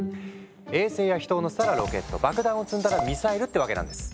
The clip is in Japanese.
衛星や人を乗せたらロケット爆弾を積んだらミサイルってわけなんです。